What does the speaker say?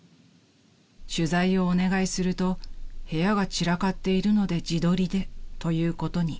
［取材をお願いすると「部屋が散らかっているので自撮りで」ということに］